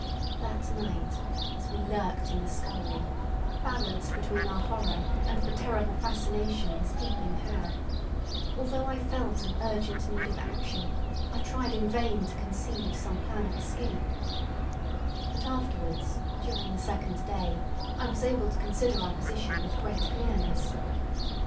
That night, as we lurked in the scullery, balanced between our horror and the terrible fascination this peeping had, although I felt an urgent need of action I tried in vain to conceive some plan of escape; but afterwards, during the second day, I was able to consider our position with great clearness.